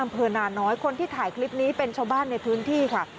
อำเภอนาน้อยคนที่ถ่ายคลิปนี้เป็นชาวบ้านในพื้นที่ค่ะ